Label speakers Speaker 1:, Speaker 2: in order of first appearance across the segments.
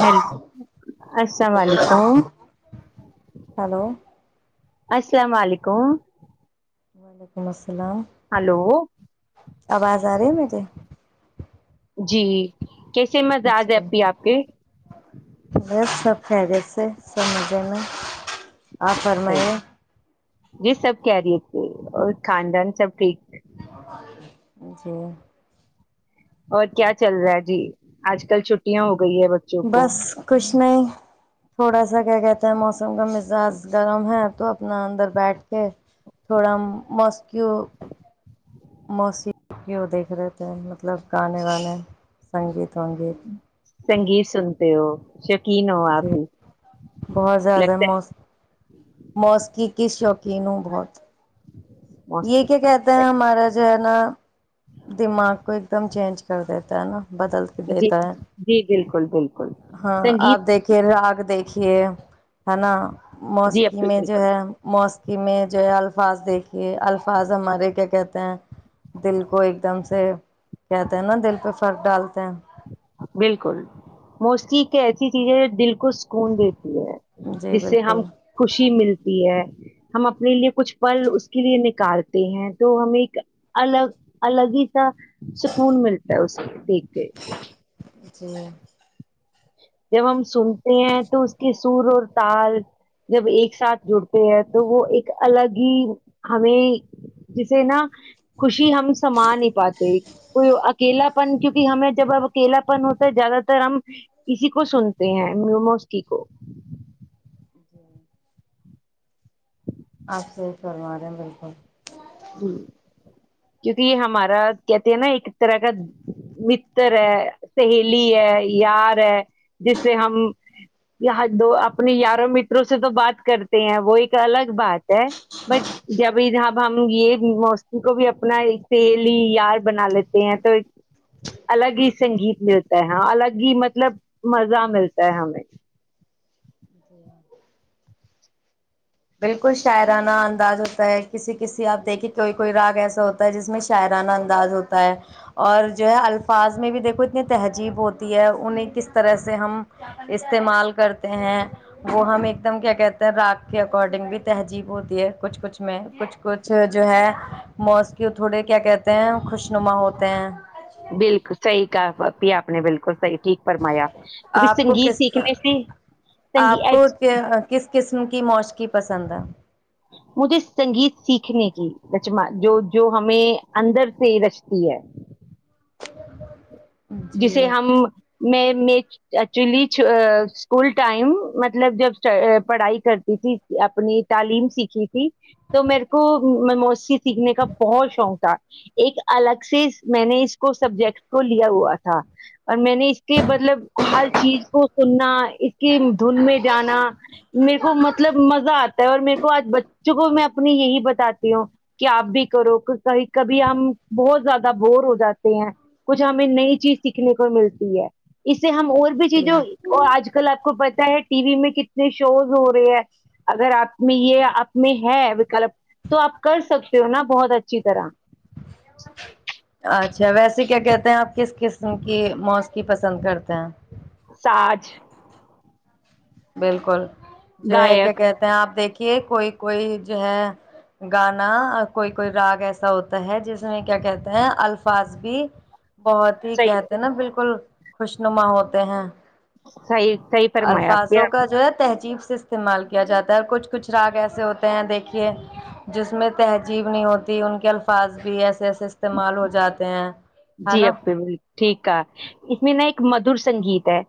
Speaker 1: Hello السلام علیکم
Speaker 2: hello [unintelligible]
Speaker 1: السلام علیکم
Speaker 2: وعلیکم السلام
Speaker 1: ہلو
Speaker 2: ہیلو آواز آ رہی میرریے
Speaker 1: جی کیسے مزاج ہے
Speaker 2: جی
Speaker 1: اھی آپ کے
Speaker 2: بس سب خیریت سے سب مجے میں۔ آپ
Speaker 1: صحیح
Speaker 2: فرمائیں۔
Speaker 1: جی سب خیریت تھی اور خاندان سب ٹھیک۔
Speaker 2: جی۔ [unintelligible]
Speaker 1: اور کیا چل رہا ہے جی آج کل چھٹیاں ہو۔ گئی ہے بچوں کو
Speaker 2: بس کچھ نہیں۔ تھوڑا سا کیا کہتے ہیں موسم کا مزاج گرم ہے تو اپنا اندر بیٹھ کے تھوڑا مسکیو۔ موسیقی کی وہ دیکھ رہے تھے مطلب گانے وانے۔ سنگیت ونگیت
Speaker 1: سنگیت سنتے ہو۔ شو۔
Speaker 2: جی بہت زیادہ
Speaker 1: لگتا
Speaker 2: مست۔ موسکی کس شوقیون ہوں بہت۔
Speaker 1: ہے
Speaker 2: یہ کیا کہتے ہیں
Speaker 1: موسیقی
Speaker 2: ہمارا۔ جو ہے نا۔ دماغ کو ایک دم چینج۔ کر دیتا ہے نا۔ بدل کے
Speaker 1: جی
Speaker 2: دیتا ہے
Speaker 1: جی بالکل بالکل
Speaker 2: ہاں آپ
Speaker 1: سنگیت
Speaker 2: دیکھیے آگ دیکھیے۔ یے۔ ہے نا
Speaker 1: جی
Speaker 2: موسیکی
Speaker 1: اپی
Speaker 2: میں جو
Speaker 1: بالکل
Speaker 2: ہے موسک کہ میں جو ہے الفاظ دیکھ۔ کہ الفاظ ہمارے کیا کہتے ہیں دل کو ایک دم سے کہتے ہیں نا دل پہ فرق ڈال۔
Speaker 1: بالکل موسقی۔ کہ ایسی چیز ہے دل۔ کو سکون دیتی ہے
Speaker 2: جی
Speaker 1: جس سے ہم
Speaker 2: بالکل
Speaker 1: خوشی ملتی ہے۔ ہم اپنے لیے کچھ پل اس کے لیے نکارتے ہیں تو ہمیں ایک الگ الگ ہی سا سکون ملتا ہے اس دیکھ کے بچ
Speaker 2: ا میں
Speaker 1: جم سم ہیں تو اس کے سور اور تال جب ایک ساتھ جڑتے ہیں تو وہ ایک الگ ہی ہمیں جسے نا خوشی ہم سا نہیں پاتے کوئی اکیلا پن کیونکہ ہمیں جب اب اکیلا پن ہوتا ہے زیادہ تر ہم کسی کو سنتے ہیں میووموسکی کو
Speaker 2: جی آپ صحی چو رہے ہیں بالکل
Speaker 1: جی، کیونکہ یہ ہمارا کہتے ہیں نا ایک طرح کا متر ہے سہیلی ہے یار ہے جس سے ہم دو اپنے یاروں متروں سے تو بات کرتے ہیں وہ ایک الگ بات ہے بٹ جب جب ہم ہم یہ موسی کو بھی اپنا سیلی یار بنا لیتے ہیں تو ایک الگ ہی سنگیت ملتا ہے الگ ہی مطلب مزہ ملتا ہے ہمیں
Speaker 2: بالکل شاعرانہ انداز ہوتا ہے کسی کسی آپ دیکھیے کوئی کوئی راگ ایسا ہوتا ہے جس میں شاعرانہ انداز ہوتا ہے اور جو ہے الفاظ میں بھی دیکھو اتنی تہذیب ہوتی ہے انہیں کس طرح سے ہم استعمال کرتے ہیں وہ ہم ایک دم کیا کہتے ہیں راگ کے اکارڈنگ بھی تہذیب ہوتی ہے کچھ کچھ میں کچھ کچھ جو ہے موس کے تھوڑے کیا کہتے ہیں خوش نما ہوتے ہیں
Speaker 1: بالکل صحی پ آپنے بالکل صحی یک فرمایا کیکہ
Speaker 2: آپ کو
Speaker 1: سنگیت
Speaker 2: کس
Speaker 1: سیکھنے سے سنگ
Speaker 2: آپ کو کس قسم کی موشقی پسند ہے
Speaker 1: مجھے سنگیت سیکھنے کی رچما جو جو ہمیں اندر سے رچتی ہے
Speaker 2: [inaudible]
Speaker 1: جسے
Speaker 2: جی
Speaker 1: ہم میں میں ایکچولی اسکول ٹائم مطلب جب پڑھائی کرتی تھی اپنی تعلیم سیکھی تھی تو میرے کو موسی سیکھنے کا بہت شوق تھا ایک الگ سے میں نے اس کو سبجیکٹ کو لیا ہوا تھا تھا اور میں نے اس کے مطلب ہر چیز کو سننا اس کی دھن میں جانا میرے کو مطلب مزہ آتا ہے اور میرے کو آج بچوں کو میں اپنی یہی بتاتی ہ کہ آپ بھی کرو کہیں کبھی ہم بہت زیادہ بور ہو جاتے ہیں کچھ ہمیں نئی چیز سیکھنے کو ملتی ہے اس ہم اور بھی
Speaker 2: جی
Speaker 1: چیزوں کو آج کل آپ کو پتا ٹی وی میں کتنے شوز ہو رہے ہیں اگر آپ میں یہ آپ میں ہے وکلپ تو آپ کر سکتے ہو نا بہت اچھا اچھی طرح
Speaker 2: اچھا ویسے کیا کہتے ہیں آپ کس قسم کی موسیقی پسند کرتے ہیں
Speaker 1: ساج
Speaker 2: بالکل جو ہے کیا
Speaker 1: گائک
Speaker 2: کہتے ہیں آپ دیکھیے کہ کوئی کوئی جو ہے گانا کوئی کوئی راگ ایسا ہوتا ہے جس میں کیا کہتے ہیں الفاظ بھی بہت ہی
Speaker 1: صحیح
Speaker 2: کہتے ہیں نا بالکل خوش نما ہوتے ہیں
Speaker 1: صحیح صحیح فرمایا آپ نے،
Speaker 2: الفاظوں کا جو ہے تہذیب استعمال کیا جاتا ہے کچھ کچھ راگ ایسے ہوتے ہیں دیکھیے جس میں تہذیب نہیں ہوتی ان کے الفاظ بھی ایسے ایسے استعمال ہو جاتے ہیں ہے
Speaker 1: جی
Speaker 2: نا
Speaker 1: اب ٹھیک ہے اس میں ن ایک مدر سنگیت ہے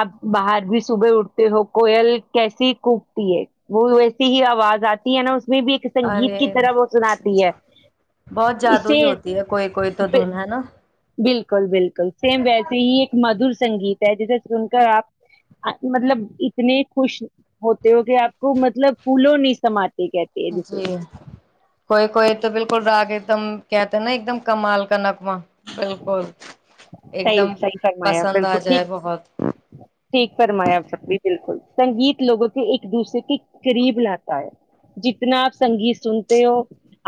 Speaker 1: آپ باہر بھی صبح اٹتے ہو کوئل کیسی کوپتی ہے وہ ویسی ہی آواز آتی ہے نا اس میں بھی ایک سنگیت کی
Speaker 2: ارے
Speaker 1: طرح وہ سناتی ہے
Speaker 2: بہت
Speaker 1: اسے
Speaker 2: جادوئی ہوتی ہے کوئی کوئی تو دھن ہے نا
Speaker 1: بالکل بالکل سیم ویسے ہی ایک مدور سنگیت ہے جسے سن کر آپ مطلب اتنے خوش ہوتے ہو کہ آپ کو مطلب پھولوں نہیں سمات
Speaker 2: جی کوئی کوئی تو بالکل ڈا گ ایک دم کہتے ہیں نا ایک دم کمال کا نغمہ بالکل ایک
Speaker 1: صحیح
Speaker 2: دم
Speaker 1: صحی فرمایا
Speaker 2: پسند آ
Speaker 1: بالکل
Speaker 2: جائے
Speaker 1: ٹھیک
Speaker 2: بہت
Speaker 1: ٹھیک فرمایا سبھی بالکل سنگیت لوگوں کے ایک دوسرے کے قریب لاتا ہے جتنا آپ سنگیت سنتے ہو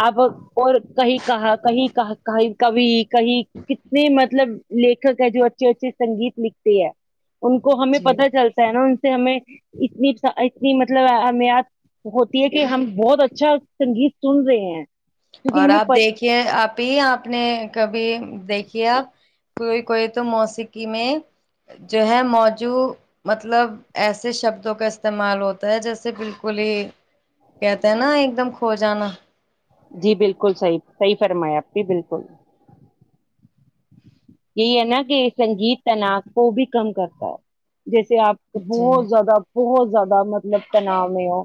Speaker 1: آپ اور کہیں کہا کہیں کہ کہیں کبھی کہیں کتنے مطلب لیکھک ہے جو اچھے اچھے سنگیت لکھتے ہے ان کو ہمیں
Speaker 2: جی
Speaker 1: پتا چلتا ہے نا ہمیں اتنی اتنی مطلب امیات ہوتی ہے کہ ہم بہت اچھا سنگیت سن رہے ہیں کیونکہ
Speaker 2: اور
Speaker 1: ہمیں
Speaker 2: آپ
Speaker 1: پت-
Speaker 2: دیکھیے آپ ہی آپ نے کبھی دیکھیے آپ کوئی کوئی تو موسیقی میں جو ہے موجو مطلب ایسے شبدوں کا استعمال ہوتا ہے جیسے بالکل ہی کہتے ہیں نا ایک دم کھو جانا
Speaker 1: جی بالکل صیح صحیح فرمائے آپ کی بالکل یہی ہے نا کہ سنگیت تناس کو بھی کم کرتا ہے جیسے آپ کے
Speaker 2: جی
Speaker 1: بہت زیادہ بہت زیادہ مطلب تناؤ میں ہو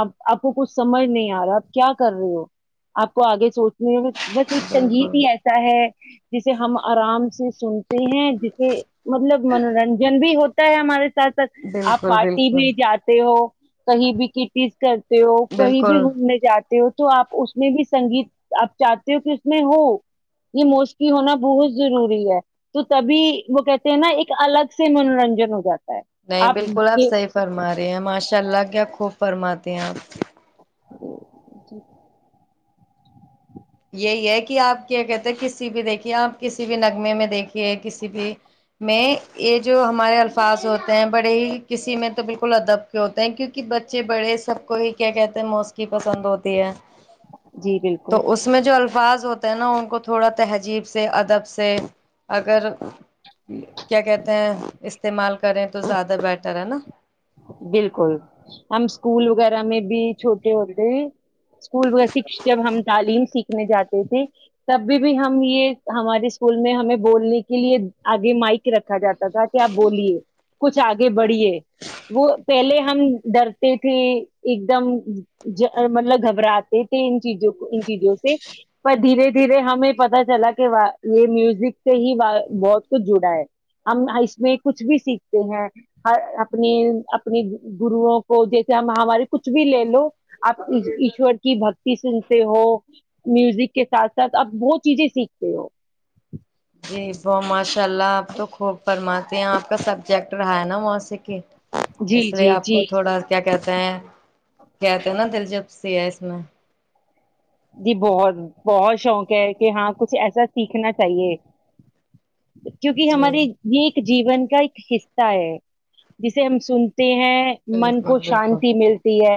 Speaker 1: اب آپ کو کچھ سمجھ نہیں آ رہا آپ کیا کر رہے ہو آپ کو آگے سوچ بس ایک سنگیت
Speaker 2: بالکل
Speaker 1: ہی ایسا ہے جسے ہم آرام سے سنتے ہیں جسے مطلب منورنجن بھی ہوتا ہے ہمارے تک آپ
Speaker 2: بالکل
Speaker 1: پارٹی
Speaker 2: بالکل
Speaker 1: بھی جاتے ہو کہیں بھی کٹیز کرتے ہو کہیں بھی
Speaker 2: بالکل
Speaker 1: گھومنے جاتے تو آپ اس میں بھی سنگیت آپ چاہتے ہو کہ اس میں ہو یہ موسکی ہونا بہت ضروری ہے تو تبھی وہ کہتے ہیں نا ایک الگ سے منورنجن ہو جاتا ہے
Speaker 2: نہیں بالکل آپ
Speaker 1: کے.
Speaker 2: صحیح فرما رہے ہیں ماشاء اللہ کیا خوب فرماتے ہیں آپ
Speaker 1: جی
Speaker 2: یہی ہے کہ آپ کیا کہتے ہیں کسی بھی دیکھیے آپ کسی بھی نغمے میں دیکھیے کسی بھی میں یہ جو ہمارے الفاظ ہوتے ہیں بڑے ہی کسی میں تو بالکل ادب کے ہوتے ہیں کیونکہ بچے بڑے سب کو ہی کیا کہتے ہیں موسیقی پسند ہوتی ہے
Speaker 1: جی بالکل
Speaker 2: تو اس میں جو الفاظ ہوتے ہیں نا ان کو تھوڑا تہذیب سے ادب سے اگر کیا کہتے ہیں استعمال کریں تو زیادہ بیٹر ہے نا
Speaker 1: بالکل ہم اسکول وغیرہ میں بھی چھوٹے ہوتے ہیں اسکول جب ہم تعلیم سیکھنے جاتے تھے تب بھی بھی ہم یہ ہمارے اسکول میں ہمیں بولنے کے لیے آگے مائک رکھا جاتا تھا کہ آپ بولیے کچھ آگے بڑھیے وہ پہلے ہم ڈرتے تھے ایک دم مطلب گھبراتے تھے ان چیزوں ان چیزوں سے پر دھیرے دھیرے ہمیں پت چلا کہ یہ میوزک سے ہی بہت کچھ جڑا ہے ہم اس میں کچھ بھی سیکھتے ہیں اپنی اپنی گرو کو جیسے ہمارے کچھ بھی لے لو آپ ایشور کی بکتی سنتے ہو میوزک کے ساتھ ساتھ آپ بہت چیزیں سیکھتے ہو
Speaker 2: جی وہ ماشاء اللہ آپ تو خوب فرماتے ہیں آپ کا سبجیکٹ رہا ہے نا وہاں سے کی
Speaker 1: جی
Speaker 2: اس لیے
Speaker 1: جی
Speaker 2: آپ
Speaker 1: جی
Speaker 2: کو تھوڑا کیا کہ کہتے نا دلچپ س ہے اس میں
Speaker 1: جی بہت بہت شوق ہے کہ ہاں کچھ ایسا سیکھنا چاہیے کیونکہ
Speaker 2: جی
Speaker 1: ہمارے یہ جیون کا ایک حصہ ہے جسے ہم سنتے ہیں من کو
Speaker 2: بالکل بالکل
Speaker 1: شانتی ملتی ہے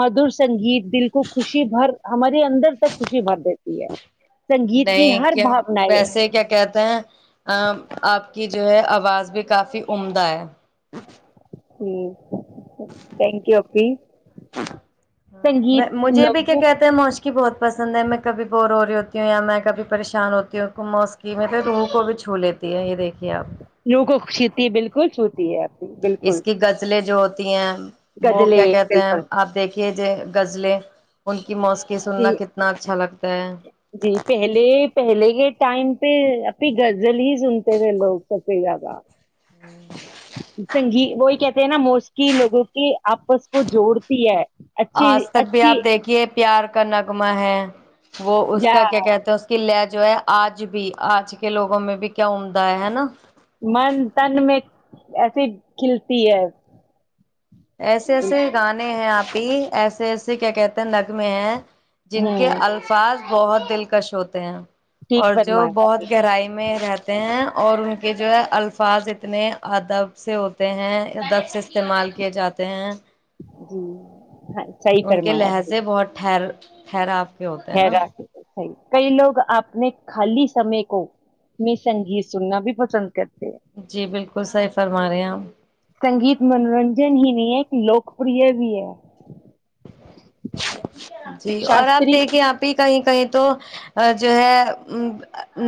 Speaker 1: مدور سنگیت دال کو خوشی بھر ہماری اندر تک خوشی بھر دیتی ہے سنگیت کی
Speaker 2: نہیں
Speaker 1: ہر
Speaker 2: کیا
Speaker 1: بھاونا ہے
Speaker 2: ویسے کیا کہتے ہیں ا آپ کی جو ہے آواز بھی کافی عمدہ ہے
Speaker 1: [inaudible] ہی تھینک یوک جی
Speaker 2: ہ مجھے بھی کیا
Speaker 1: لوگوں
Speaker 2: کہتے ہیں مش بہت پسند ہے میں کبھی بور ہو رہی ہوتی ہوں یا میں کبھی پریشان ہوتی ہوں موس کی مطلب روح کو بھی چھو لیتی ہے یہ دیکھ
Speaker 1: لوگشت بالکل چھوتی ہے آپ کی
Speaker 2: اس
Speaker 1: بالکل
Speaker 2: کی گزلیں جو ہوتی ہیں وہ کیا
Speaker 1: غزلیں
Speaker 2: کہتے ہیں
Speaker 1: بالکل
Speaker 2: آپ دیکھیے ج غزلیں ان کی موسیقی
Speaker 1: جی
Speaker 2: سننا کتنا اچھا چلک
Speaker 1: جی پہلے پہلے کے ٹائم پہ انی گغزل ہی سنتے تھے لوگ سب کی جگہ
Speaker 2: ہوں
Speaker 1: سنگی وہی کہتے ہیں نا موسیقی لوگوں کی آپس کو جوڑتی ہے اچھی
Speaker 2: آج تک بھی
Speaker 1: اچھی
Speaker 2: آپ دیکھیے پیار کا نغمہ ہے وہ اس
Speaker 1: یا
Speaker 2: کا کیا کہتے ہیں اس کی لگ جو ہے آج بھی آج کے لوگوں میں بھی کیا عمدہ ہے ہے نا
Speaker 1: من تن میں ایسی کھلتی ہے
Speaker 2: ایسے ایسے گانے ہیں آپ ایسے ایسے کیا کہتے ہیں نگ میں ہیں جن کے
Speaker 1: ہوں
Speaker 2: الفاظ بہت دلکش ہوتے ہیں
Speaker 1: ٹھیک
Speaker 2: اور جو
Speaker 1: فرمایا
Speaker 2: بہت
Speaker 1: آپ نے
Speaker 2: گہرائی میں رہتا ہیں اور ان کے جو ہے الفاظ اتنے ادب سے ہوتے ہیں ادب سے استعمال کی جاتے ہیں
Speaker 1: جی ہاں صحیح
Speaker 2: ان کے
Speaker 1: فرمایا آپ نے
Speaker 2: لہجے بہت ٹھہر خراب ہوتا ہے نا
Speaker 1: حیران صحیح کئی لوگ اپنے خالی سمے کو میں سنگیت سننا بھی پسند کرتے ہیں
Speaker 2: جی بالکل کل س ہی فرما رہے ہیں آپ
Speaker 1: سنگیت منورنجن ہی نہیں ہے ایک لوکپریہ بھی ہے
Speaker 2: [unintelligible] جی اور آپ
Speaker 1: شاستری
Speaker 2: دیکھیں آ بھی کہیں کہیں تو جو ہے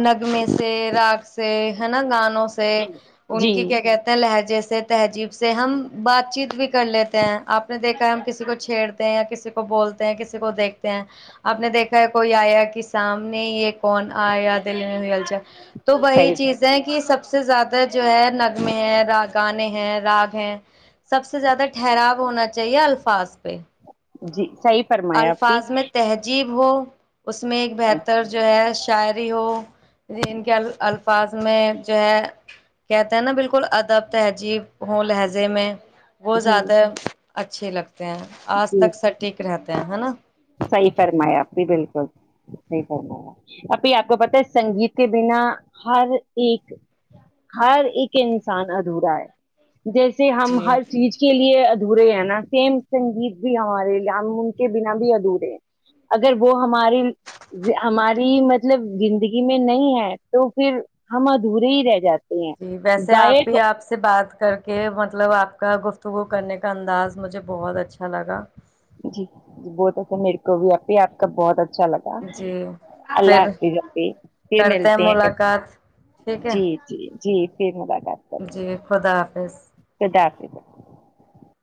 Speaker 2: نغمے سے راگ سے ہے نا گان سے
Speaker 1: جی
Speaker 2: ان
Speaker 1: جی
Speaker 2: کی کیا کہتے ہیں لہج جیسے تہذیب سے ہم بات چیت بھی کر لیتے ہیں آپ نے دیکھا ہے ہم کسی کو چھیڑتے ہیں یا کسی کو کو بولتے ہیں کسی کو دیکھتے ہیں آپ نے دیکھا ہے کوئی آیا کہ سامنے یہ کون آیا دلی میں ہوئی الا تو وہی
Speaker 1: صحیح
Speaker 2: چیز ہے کہ سب سب سے زیادہ جو ہے نغمے ہیں را گانے ہیں راگ ہیں سب سے زیادہ ٹھراؤ ہونا چاہیے الفاظ پہ
Speaker 1: جی صحیح فرمایا آپ بھی
Speaker 2: الفاظ میں تہذیب وہ اس میں ایک بہتر جو ہے شاعری ہو ان کے ال الفاظ میں جو ہے کہتے ہیں نا بالکل ادب تہذیب ہو لہجے میں وہ
Speaker 1: جی
Speaker 2: زیادہ اچا اچھ لگ ہیں آج تک س ٹھیک رہتے ہیںنا
Speaker 1: صحی فرمایا اپنے ا بلکل صحیح فرمایا ہے ابھی آپ کو پتا ہے سنگیت کے بنا ہر ایک ہر ایک انسان ادھورا ہے جیسے ہم
Speaker 2: جی
Speaker 1: ہر چیز کے لیے دورے ہیں نا سیم سنگیت بھی ہمارے ہم ان کے بنا بھی ے اگر وہ ہماری ہماری مطلب زندگی میں نہیں ہے تو پھر ہم ادھورے ہی رہ جاتے ہیں
Speaker 2: جی ویسے آپ
Speaker 1: گائک
Speaker 2: بھی آپ سے بات کر کے مطلب آپ کا گفت تو وہ کرنے کا انداز مجھے بہت اچھا لگا
Speaker 1: جی جی بہت اچھا میرے کو بھی آ ہی آپ کا بہت اچھا اچھا لگا
Speaker 2: جی
Speaker 1: اللہ
Speaker 2: پھر
Speaker 1: حافظ پھر
Speaker 2: کرتے
Speaker 1: ملتے ہیں
Speaker 2: ملاقات
Speaker 1: کبھی
Speaker 2: ٹھیک ہے
Speaker 1: جی جی جی پھر م
Speaker 2: جی خدا حافظ
Speaker 1: خدا حافظ